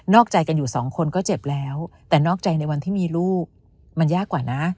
อกใจกันอยู่สองคนก็เจ็บแล้วแต่นอกใจในวันที่มีลูกมันยากกว่านะ